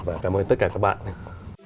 và cảm ơn tất cả các bạn